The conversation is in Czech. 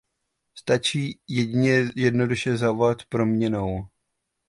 Stačí jednoduše zavolat proměnnou.